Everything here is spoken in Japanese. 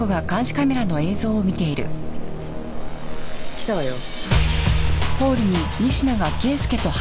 来たわよ。